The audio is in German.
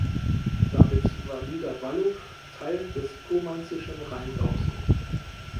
Damit war Niederwalluf Teil des kurmainzischen Rheingaus.